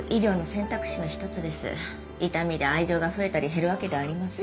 痛みで愛情が増えたり減るわけではありません。